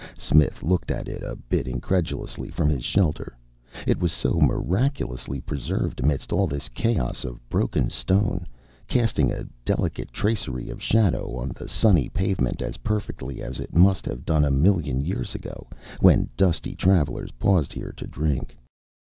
Smith looked at it a bit incredulously from his shelter, it was so miraculously preserved amidst all this chaos of broken stone, casting a delicate tracery of shadow on the sunny pavement as perfectly as it must have done a million years ago when dusty travelers paused here to drink.